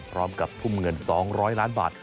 พร้อมกับทุ่มเงินสองร้อยล้านบาท